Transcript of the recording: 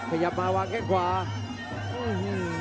มันขยับมาฝั่งแหน่งขวาอื้อฮือฮือ